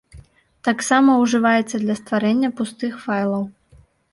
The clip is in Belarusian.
Таксама ўжываецца для стварэння пустых файлаў.